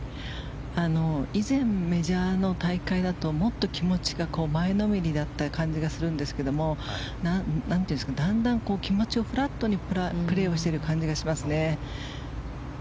以前、メジャーの大会だともっと気持ちが前のめりだった感じがするんですけどだんだん気持ちをフラットにプレーをしている感じがします。